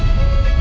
apa yang terjadi